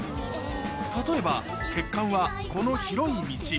例えば血管はこの広い道